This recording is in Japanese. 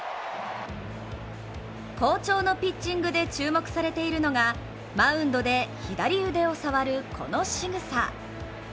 好調のピッチングで注目されているのがマウンドで左腕を触る、このしぐさ。